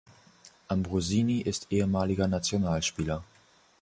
Ambrosini ist ehemaliger Nationalspieler.